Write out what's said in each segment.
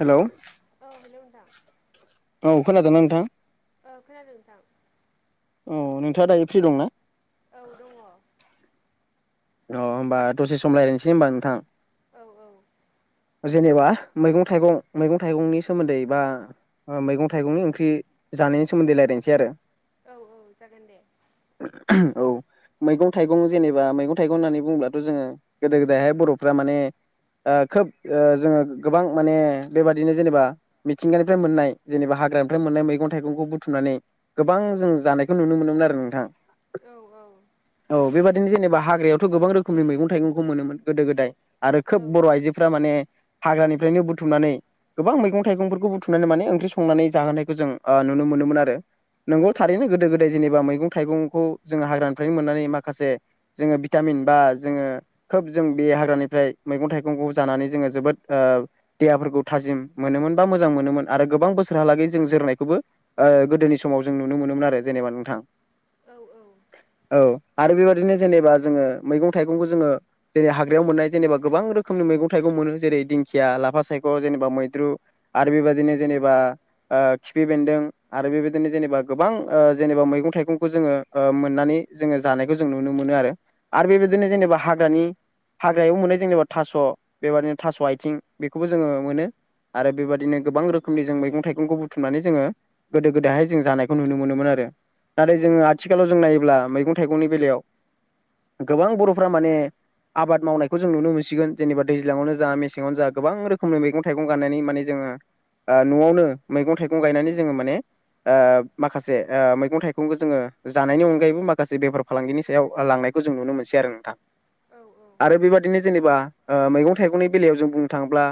Hello. औ hello नोंथां। औ खोनादों ना नोंथां। ओं खोनादों नोंथां। औ नोंथाङा दायो फ्रि दंना? औ दङ। अ होमबा दसे सम राय्लायनोसै होनबा नोंथां। औ औ। ओ जेनेबा मैगं थाइगं मैगं थाइगंनि सोमोन्दै बा। ओ मैगं थाइगंनि ओंख्रि जानायनि सोमोन्दै रायलायनोसै आरो। औ औ जागोन दे। औ मैगं थाइगं जेनेबा मैगं। थाइगं होननानै बुंङोब्लाथ' जोङो गोदो गोदायहाय बर'फ्रा माने। ओ खोब ओ जोङो गोबां माने बेबादिनो जेनेबा। मिथिंगानिफ्राय मोननाय जेनेबा हाग्रानिफ्राय मोननाय मैगं थाइगंखौ बुथुमनानै। गोबां जों जानायखौ नुनो मोनोमोन आरो नोंथां। औ औ। औ बेबादिनो हाग्रायावथ' गोबां रोखोमनि मैगं मोनोमोन गोदो गोदाय। आरो औ खोब बर' आइजोफ्रा माने हाग्रानिफ्रायनो बुथुमनानै। गोबां मैगं थाइगंफोरखौ बुथुमनानै माने ओंख्रि संनानै जाहोनायखौ जों ओ नुनो मोनोमोन आरो। औ नंगौ थारैनो गोदो गोदाय जेनेबा मैगं थाइगंखौ जोङो हाग्रानिफ्रायनो मोननानै माखासे जोङो बि भिटामिन बा जोङो खोब जों बे हाग्रानिफ्राय मैगं थाइगंखौ जानानै जोङो जोबोद ओ देहाफोरखौ थाजिम मोनोमोन बा मोजां मोनोमोन आरो गोबां बोसोरहालागै जों जोरनायखौबो ओ गोदोनि समाव जों नुनो मोनोमोन आरो जेनेबा नोंथां। औ औ। औ आरो बेबायदिनो जेनेबा जोङो मैगं थाइगंखौ जोङो जेरै हाग्रायाव मोननाय जेनेबा गोबां रोखोमनि मैगं थाइगं मोनो जेरै दिंखिया, लाफा सायख', जेनेबा मैद्रु आरो बेबायदिनो जेनेबा ओ खिफि बेन्दों आरो बेबायदिनो जेनेबा गोबां ओ जेनेबा मैगं थाइगंखौ जोङो ओ मोननानै जोङो जानायखौ जों नुनो मोनो आरो आरो औ ओं बेबायदिनो जेनेबा हाग्रानि हाग्रायाबो मोननाय जेनेबा थास' बेबाददिनो थास' आथिं बेखौबो जोङो मोनो। आरो बेबादिनो गोबां रोखोमनि जों मैगं थाइगंखौ बुथुमनानै जोङो गोदो गोदायहाय जों जानायखौ नुनो मोनोमोन आरो ओं नाथाय जोङो आथिखालाव जों नायोब्ला मैगं थाइगंनि बेलायाव गोबां बर'फोरा माने आबाद मावनायखौ जों नुनो मोनसिगोन जेनेबा दैज्लाङावनो जा मेसेङावनो जा गोबां रोखोमनि मैगं थाइगं गायनानै माने जोङो ओ न'आवनो मैगं थाइगं गायनानै जोङो माने ओ माखासे ओ मैगं थाइगंखौ जोङो जानायनि अनगायैबो माखासे बेफार फालांगिनि सायाव लांनायखौ जों नुनो मोनसै आरो नोंथां ओं आरो बेबादिनो जेनेबा ओ मैगं थाइगंनि बेलायाव जों बुंनो थाङोब्ला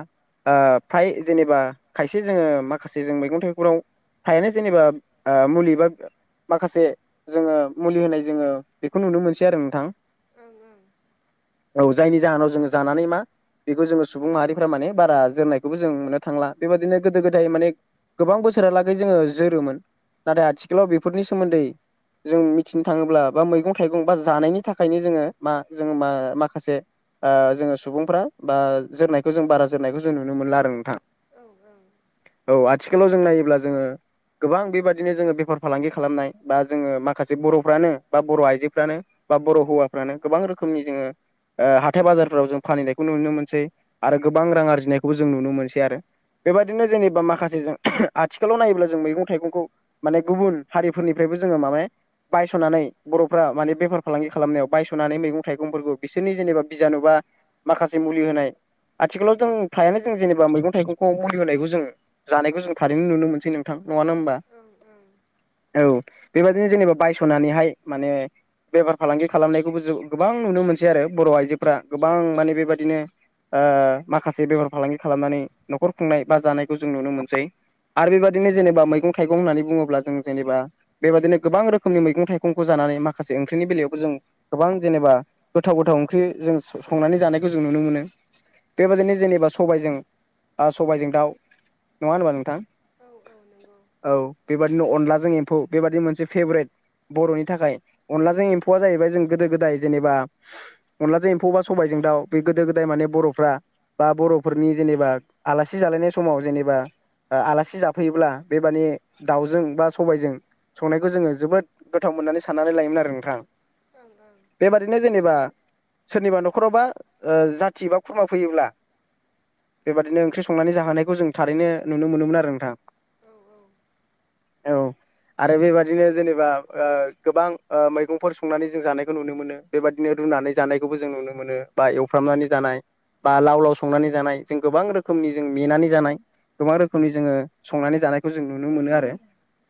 ओ फ्राय जेनेबा खायसे जोङो माखासे जों मैगं थाइगंफ्राव फ्रायानो जेनेबा ओ मुलि बा माखासे जोङो मुलि होनाय जोङो बेखौ जोंङो नुनो मोनसै आरो नोंथां। ओं ओं। औ जायनि जाहोनाव जोङो जानानै मा बेखौ जोङो सुबुं माहारिफ्रा माने बारा जोरनायखौबो जों मोननो थांला बेबादिनो गोदो गोदाय माने गोबां बोसोरहालागै जोङो जोरोमोन नाथाय आथिखालाव बेफोरनि सोमोन्दै जों मिथिनो थाङोब्ला बा मैगं थाइगं बा जानायनि थाखायनो जोङो मा जोङो मा-माखासे ओ जोङो सुबुंफ्रा बा जोरनायखौ जों बारा जोरनायखौ जों नुनो मोनला आरो नोंथां औ औ। औ आथिखालाव जों नायोब्ला जोङो गोबां बेबादिनो जोङो बेफार फालांगि खालामनाय बा जोङो माखासे बर'फ्रानो बा बर' आइजोफ्रानो बा बर' हौवाफ्रानो गोबां रोखोमनि जोङो ओ हाथाय बाजारफोराव जों फानहैनायखौ नुनो मोनसै आरो गोबां रां आरजिनायखौबो जों नुनो मोनसै आरो। बेबायदिनो जेनेबा माखासेजों आथिखालाव नायोब्ला जों मैगं थाइगंखौ माने गुबुन हारिफोरनिफ्रायबो जोङो माबा बायस'नानै बर'फ्रा माने बेफार फालांगि खालामनायाव बायस'नानै मैगं थाइगंफोरखौ बिसोरनि जेनेबा बिजानु बा माखासे मुलि होनाय आथिखालाव जों फ्रायानो जों जेनेबा मैगं थाइगंखौ मुलि होनायखौ जोंङो जानायखौ जों थारैनो नुनो मोनसै नोंथां नङाना ओमबा? ओं औ बेबायदिनो जेनेबा बायस'नानैहाय माने बेफार फालांगि खालामनायखौबो जौ गोबां नुनो मोनसै आरो बर' आइजोफ्रा गोबां माने बेबायदिनो ओ माखासे बेफार फालांगि खालामनानै न'खर खुंनाय बा जानायखौ जों नुनो मोनसै। आरो बेबायदिनो जेनेबा मैगं थाइगं होननानै बुङोब्ला जों जेनेबा बेबायदिनो गोबां रोखोमनि मैगं थाइगंखौ जानानै माखासे ओंख्रिनि बेलायावबो जों गोबां जेनेबा गोथाव गोथाव ओंख्रि जों संनानै जानायखौ जों नुनो मोनो। बेबायदिनो जेनेबा सबायजों बा सबायजों दाउ नङा होनबा नोंथां? औ औ नों औ बेबादिनो अनलाजों एम्फौ बेबादि मोनसे फेभरेट बर'नि थाखाय। अनलाजों एम्फौआ जाहैबाय जों गोदो गोदाय जेनेबा अनलाजों एम्फौबा सबायजों दाउ बे गोदो गोदाय माने बर'फ्रा बा बर'फोरनि जेनेबा आलासि जालायनाय समाव जेनेबा ओ आलासि जाफैयोब्ला बेबादि दाउजों बा सबायजों संनायखौ जोङो जोबोद गोथाव मोननानै साननानै लायोमोन आरो नोंथां। ओं ओं। बेबादिनो जेनेबा सोरनिबा न'खरावबा ओ जाथि बा खुरमा फैयोब्ला बेबादिनो ओंख्रि औ संनानै जाहोनायखौ जों थारैनो नुनो मोनोमोन आरो नोंथां। औ ओं औ आरो बेबादिनो जेनेबा ओ गोबां ओ मैगंफोर संनानै जों जानायखौ नुनो मोनो बेबायदिनो रुनानै जानायखौबो जों नुनो मोनो बा एवफ्रामनानै जानाय बा लाव लाव संनानै जानाय जों गोबां रोखोमनि जों मेनानै जानाय गोबां रोखोमनि जोङो संनानै जानायखौ जों नुनो मोनो आरो।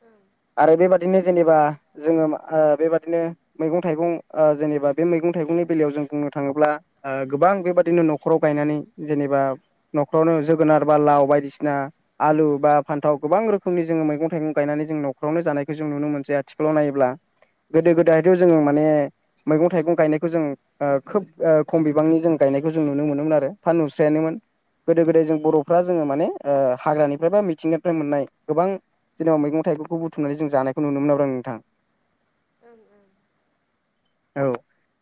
ओं आरो बेबादिनो जेनेबा जोङो ओ बेबादिनो मैगं थाइगं ओ जेनेबा बे मैगं थाइगंनि बेलायाव जों बुंनो थाङोब्ला। ओ गोबां बेबादिनो न'खराव गायनानै जेनेबा न'खरावनो जोगोनार बा लाव बायदिसिना आलु बा फान्थाव गोबां रोखोमनि जोङो मैगं थाइगं गायनानै जों न'खरावनो जानायखौ जों नुनो मोनसै आथिखालाव नायोब्ला। गोदो गोदाय थ जों माने मैगं थाइगं गायनायखौ जों। ओ खोब ओ खम बिबांनि जों गायनायखौ जों नुनो मोनोमोन आरो बा नुस्रायानोमोन। गोदो गोदाय जों बर'फ्रा जोङो माने ओ हाग्रानिफ्राय बा मिथिंगानिफ्राय मोननाय गोबां। दिनाव मैगं थाइगंखौ बुथुमनानै जों जानायखौ नुनो मोनो ब्रा नोंथां। ओं ओं। औ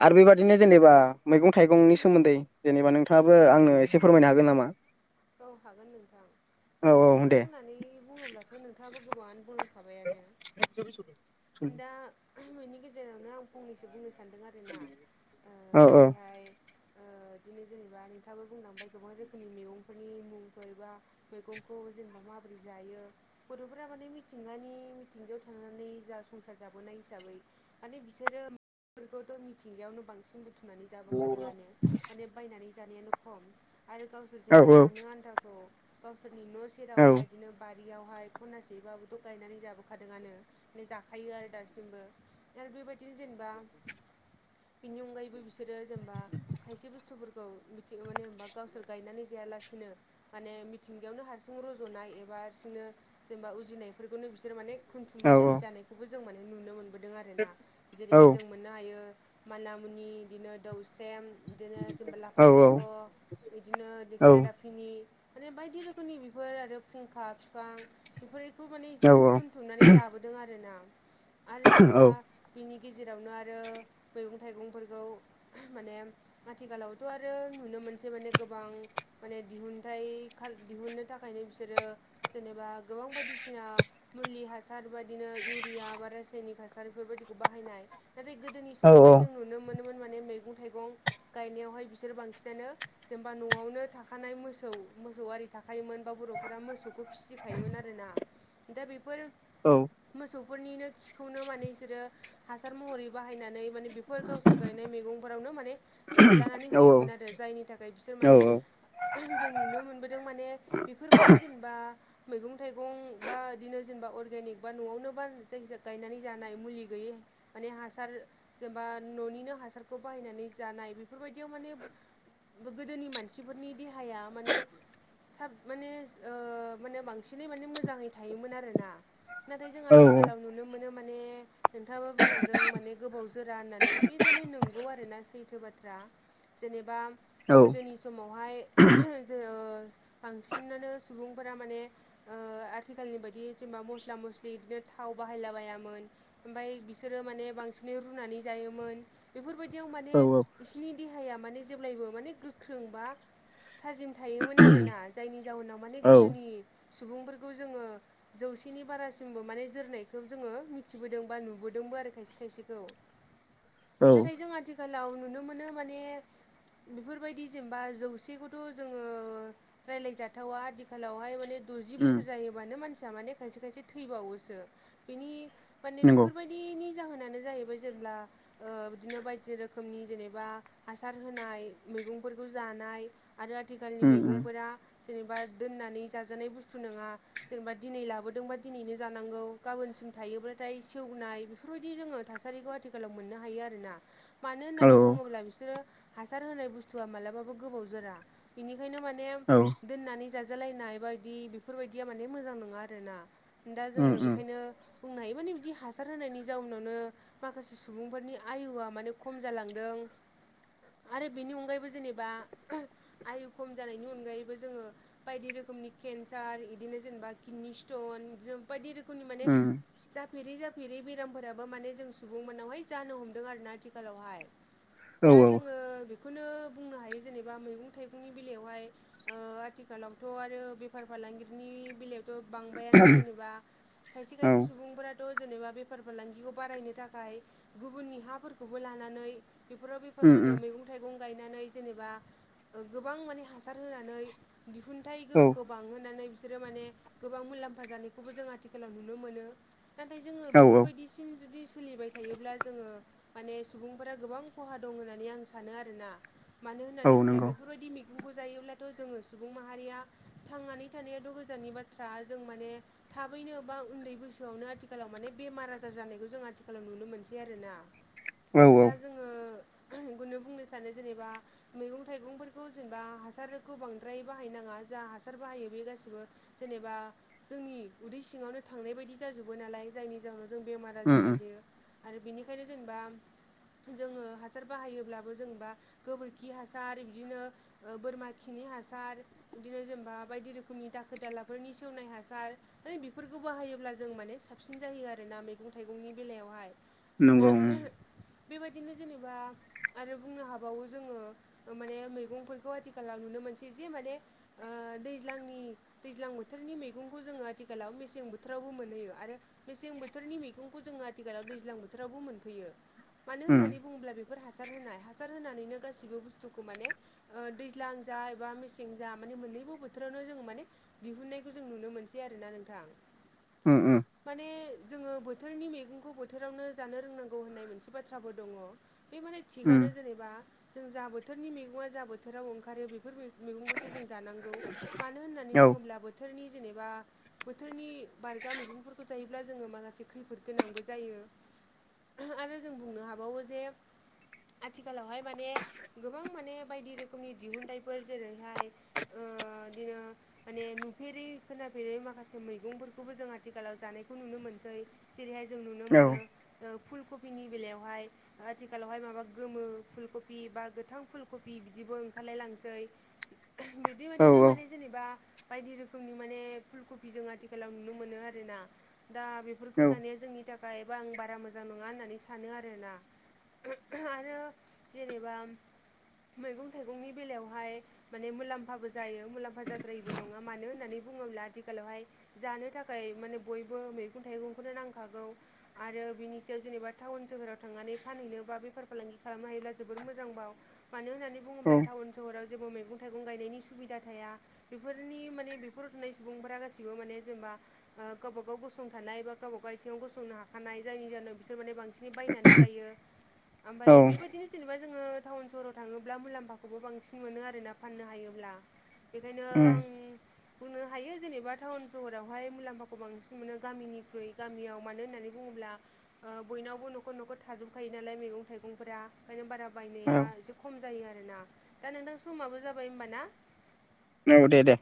आरो बेबादिनो जेनेबा मैगं थाइगंनि सोमोन्दै जेनेबा नोंथाङाबो आंनो एसे फोरमायनो हागोन नामा? औ हागोन नोंथां, औ औ मैगं थाइगं दे होननानै बुङोब्लाथ' नोंथाङाबो गोबाङानो बुंलां खाबायानो, दा हम बेनि गेजेरावनो आं फंनैसो बुंनो सानो। सानदों आरोना ओ औ जेरैहाय ओ बिदिनो जेनेबा नोंथाङाबो बुंलांबाय गोबां रोखोमनि मेगं नि मुंफोर बा मैगंखौ जेनेबा माबोरै जायो। बर'फोरा माने मिथिंगानि मिथिंगायाव थांनानै जा संसार जाबोनाय हिसाबै। माने बिसोरो फोरखौथ' मिथिंगायावनो बांसिन बुथुनानै जाबो खादोंआनो माने बायनानै जानायानो खम, आरो गावसोर औ जेनेबा जानो आन्थाखौ गावसोरनि न' औ सेराव बा इदिनो बारियावहाय खनासेबाबोथ' गायनानै जाबोखादोंआनो ने जाखायो आरो दासिमबो। आरो बेबायदिनो जेनेबा बेनि अनगायैबो बिसोरो जेनेबा खायसे बुस्थुफोरखौ मिथिंगामोननाय बा गावसोर गायनानै जायालासिनो माने मिथिंगायावनो हारसिं रज'नाय एबा हारसिंनो जेनेबा उजिनायफोरखौनो बिसोरो माने औ खुनथुमबायनानै जानायखौबो जों माने नुनो मोनबोदों आरोना। औ जेरैहाय जों मोननो हायो माना मुनि बिदिनो दोस्रेम। बिदिनो जेनेबा लाफा औ सायख' बिदिनो भिनि माने बायदि रोखोमनि बेफोर आरो फुंखा बिफां बेफोरखौ माने इसोरो बुथुमनानै जाबोदों आरोना आरो जेनबा। बेनि गेजेरावनो आरो मैगं थाइगंफोरखौ। माने आथिखालावथ' आरो नुनो मोनसै माने गोबां। माने दिहुनथाइ खाल दिहुननो थाखायनो बिसोरो जेनेबा गोबां बायदिसिना। मुलि हासार बादिनो इउरिया बा रासायनिक हासार बेफोरबायदिखौ बाहायनाय। नाथाय गोदोनि समावहाय जों नुनो मोनो मोन माने मैगं थाइगं गायनायावहाय बिसोर बांसिनानो जेनेबा न'आवनो थाखा थाखानाय मोसौ मोसौआरि थाखोयोमोन बा बर'फोरा मोसौखौ फिसिखायोमोन आरोना। दा बेफोरो। औ मोसौफोरनिनो खिखौनो माने इसोरो हासार महरै बाहायनानै। माने बेफोर गावसोर गायनाय मैगंफोरावनो माने सारलानानै होयोमोन आरो जायनि थाखाय बिसोर औ माने। जों नुनो मोनबोदों माने बेफोरबायदि जेनेबा। मैगं थाइगं बा बिदिनो जेनेबा अर्गेनिक बा न'आवनो बा जायखिजाया गायनानै जानाय मुलि गैयै। माने हासार जेनेबा न'निनो हासारखौ बाहायनानै जानाय बेफोरबायदियाव माने। गोदोनि मानसिफोरनि देहाया माने। साब माने ओ माने बांसिनै माने मोजाङै थायोमोन आरोना। नाथाय जों औ आथिखालाव नुनो मोनो माने। नोंथाङाबो बुंलांदों माने गोबाव जोरा होननानै बे माने नों नंगौ आरोना सैथो बाथ्रा जेनेबा औ गोदोनि समावहाय जोङो बांसिनानो सुबुंफोरा माने ओ आथिखालनि बायदि जेनेबा मस्ला मस्लि बिदिनो थाव बाहायलाबायामोन। ओमफ्राय बिसोरो माने बांसिनै रुनानै जायोमोन। बेफोरबायदियाव माने औ बिसोरनि देहाया माने जेब्लायबो माने गोख्रों बा थाजिम थायोमोन आरोना जायनि जाहोनाव माने औ गोदोनि सुबुंफोरखौ जोङो जौसेनि बारासिमबो माने जोरनायखौ जोङो मिथिबोदों बा नुबोदोंबो आरो खायसे खायसेखौ। औ नाथाय जों आथिखालाव नुनो मोनो माने बेफोरबायदि जेनेबा जौसेखौ थ' जोङो रायज्लायजाथावा आदिखालावहाय माने द'जि उम बोसोर जायोब्लानो मानसिया माने खायसे-खायसे थैबावोसो बेनि माने नंगौ बेफोरबायदि दिनि जाहोनानो जाहैबाय जेब्ला ओ बिदिनो बायदि रोखोमनि जेनेबा हासार होनाय मैगंफोरखौ जानाय आरो आथिखालनि उम उम मैगंफोरा जेनेबा दोननानै जाजानाय बुस्थु नङा। जेनेबा दिनै लाबोदोंबा दिनैनो जानांगौ गाबोनसिम थायोब्लाथाय सेवनाय बेफोरबायदि जोङो थासारिखौ आथिखालाव मोननो हायो आरोना। मानो औ होननानै बुङोब्ला बिसोरो हासार होनाय बुस्थुआ मालाबाबो गोबाव जोरा। बिनिखायनो माने औ दोननानै जाजालायनाय बा बायदि बेफोरबायदिया माने मोजां नङा आरोना। दा उम जोङो उम बेखायनो बुंनो हायो माने बिदि हासार होनायनि जाउनावनो माखासे सुबुंफोरनि आयुआ माने खम जालांदों। आरो बेनि अनगायैबो जेनेबा आयु खम जानायनि अनगायैबो जोङो। बायदि रोखोमनि केन्सार बिदिनो जेनेबा किडनि स्टन इदिनो बायदि रोखोमनि माने उम जाफेरै जाफेरै बेरामफोराबो माने जों सुबुं मोनावहाय जानो हमदों आरोना आथिखालावहाय। औ दा जोङो बेखौनो बुंनो हायो जेनेबा मैगं थाइगंनि बेलायावहाय ओ आथिखालावथ' आरो बेफार फालांगिनि बेलायाव थ' बांबायानो जेनेबा औ खायसे-खायसे सुबुंफोरा थ' जेनेबा बेफार फालांगिखौ बारायनो थाखाय गुबुननि हाफोरखौबो लानानै बेफोराव बेफोर उम माने उम मैगं थाइगं गायनानै जेनेबा गोबां माने हासार होनानै दिहुनथाइ औ गोहोखौ बांहोनानै बिसोरो माने गोबां मुलाम्फा जानायखौबो जों आथिखालाव नुनो मोनो। नाथाय जोङो औ बेफोरबायदिसिम जुदि सोलिबाय थायोब्ला जोङो माने सुबुंफोरा गोबां खहा दं होननानै आं सानो आरोना। मानो औ होननानै नंगौ बुङोब्ला बेफोरबायदि मैगंखौ जायोब्लाथ' जोङो सुबुं माहारिया थांनानै थानायाथ' गोजाननि बाथ्रा जों माने थाबैनो बा उन्दै बैसोआवनो आथिखालाव माने बेमार आजार जानायखौ जों आथिखालाव नुनो मोनसै आरोना। औ औ दा जोङो इखौनो बुंनो सानो जेनेबा मैगं थाइगंफोर खौ जेनेबा हासारखौ बांद्राय बाहाय नाङा जा हासार बाहायो बे गासिबो जेनेबा जोंनि उदै सिङावनो थांनाय बायदि जाजोबो नालाय जायनि जाहोनाव जों बेमार आजार उम उम जाजोयो। आरो बेनिखायनो जेनेबा जोङो हासार बाहायोब्लाबो जेनेबा गोबोरखि हासार बिदिनो बोरमा खिनि हासार बिदिनो जेनेबा बायदि रोखोमनि दाखोर दालाफोरनि सेवनाय हासार माने बेफोरखौ बाहायोब्ला जों माने साबसिन जायो आर ना मैगं थाइगंनि बेलायावहाय। नंगौ ओम। बेबायदिनो जेनेबा आरो बुंनो हाबावो जोङो माने मैगं फोरखौ आथिखालाव नुनो मोनसै जे माने ओ दैज्लांनि दैज्लां बोथोरनि मैगंखौ जोङो आथिखालाव मेसें बोथोरावबो मोनहैयो आरो मेसें बोथोरनि मैगंखौ जोङो आथिखालाव दैज्लां बोथोरावबो मोनफैयो मानो उम होननानै बुङोब्ला बेफोर हासार होनाय हासार होनानैनो गाससिबो बुस्थुखौ माने ओ दैज्लां जा एबा मेसें जा माने मोननैबो बोथोरावनो जोङो माने दिहुननायखौ जों नुनो मोनसै आरोना नोंथां। ओम ओम माने जोङो बोथोरनि मैगंखौ बोथोरावनो जानो रोंनांगौ होननाय मोनसे बाथ्राबो दङ बे माने उम थिगआनो जेनेबा जों जा बोथोरनि मैगङा जा बोथोराव ओंखारो बे बेफोर मैगंखौसो जों जानांगौ मानो होननानै औ बुङोब्ला बोथोरनि जेनेबा बोथोरनि बारगा मैगंफोरखौ जायोब्ला जोङो माखासे खैफोद गोनांबो जायो आरो जों बुंनो हाबावो जे आथिखालावहाय माने गोबां माने बायदि रोखोमनि दिहुनथाइफोर जेरैहाय ओ बिदिनो माने नुफेरै खोनाफेरै माखासे मैगंफोरखौबो जों आथिखालाव जानायखौ नुनो मोनसै जेरैहाय जों नुनो औ मोनो फुल कफिनि बेलायावहाय आथिखालावहाय माबा गोमो फुलकपि बा गोथां फुलकपि बिदि बिदिबो ओंखारलाय लांसै औ बिदिबायाददिनो माने जेनेबा बायदि रोखोमनि माने फुल कपि जों आथिखालाव नुनो मोनो आरोना दा बेफोरखौ जानाया जोंनि थाखायबा आं बारा मोजां नङा होननानै सानो आरोना आरो जेनेबा मैगं थाइगंनि बेलायावहाय माने मुलाम्फाबो जायो मुलाम्फा जाद्रायबो नङा मानो होननानै बुङोब्ला आथिखालावहाय जानो थाखाय माने बयबो मैगं थाइगंखौनो नांखागौ आरो बिनि सायाव जेनेबा टाउन सोहोराव थांनानै फानहैनो बा बेफार फालांगि खालामनो हायोब्ला जोबोर मोजां बाव। मानो होननानै बुङोब्ला टाउन सहराव जेबो मैगं थाइगं गायनायनि सुबिदा थाया। बेफोरनि माने बेफोर थानाय सुबुंफोरा गासिबो माने जेनेबा गावब गाव गसंथानाय बा गावबा गाव आथिङाव गसंनो हाखानाय जायनि जनावसोराने बांसिन बिसिनि बायनानै जायो ओमफ्राय औ बेबायदिनो जेनेबा जोङो थाउन सहराव थाङोब्ला मुलाम्फाखौ बांसिन मोन आरोना फाननो हायोब्ला बेनिखायनो उम आं बुंनो हायो जेनेबा टाउन सहरावहाय मुलाम्फाखौ बांसिन मोनो गामिनिख्रुइ गामियाव मानो होननानै बुङोब्ला ओ बयनावबो न'खर न'खर थाजोबखायो नालाय मैगं थाइगंफोरा ओंखायनो बारा बायनाया औ एसे खम जायो आरो ना दा नोंथां समाबो जाबाय हबा ना? औ दे दे